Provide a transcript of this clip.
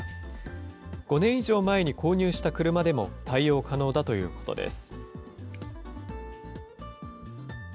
５年以上前に購入した車でも、対応可能だということです。